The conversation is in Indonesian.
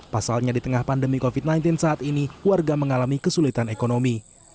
pasalnya di tengah pandemi covid sembilan belas saat ini warga mengalami kesulitan ekonomi